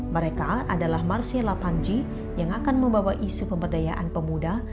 mereka adalah marcella panji yang akan membawa isu pemberdayaan pemuda